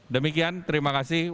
demikian terima kasih